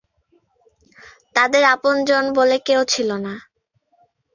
তাঁদের আপন জন বলে কেউ ছিল না।